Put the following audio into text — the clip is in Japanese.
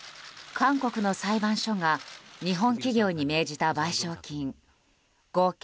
韓国の裁判所が日本企業に命じた賠償金合計